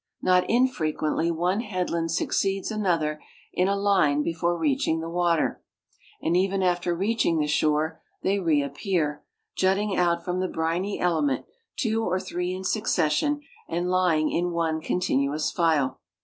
Not infrequcntl\' one headland succeeds another in a line before reaching the water, and even after reaching the shore the}' reap pear, jutting out from the briny element, two or three in suc cession, and lying in one continuous file.